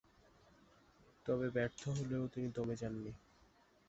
তবে ব্যর্থ হলেও তিনি দমে যাননি।